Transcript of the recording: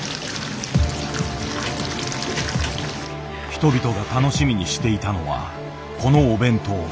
人々が楽しみにしていたのはこのお弁当。